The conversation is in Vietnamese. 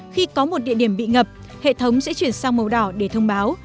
khi có một địa điểm bị ngập hệ thống sẽ chuyển sang màu đỏ để thông báo